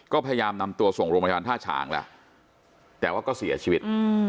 ก็พยายามนำตัวส่งโรงพยาบาลท่าฉางแล้วแต่ว่าก็เสียชีวิต